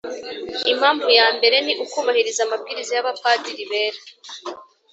impamvu ya mbere ni ukubahiriza amabwiriza y'abapadiri bera.